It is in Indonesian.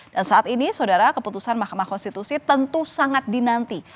dan saat ini saudara keputusan mahkamah konstitusi tentu sangat dinanti